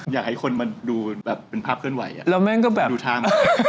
อยากให้คนมาดูแบบเป็นภาพเคลื่อนไหวแล้วแม่งก็แบบดูทาง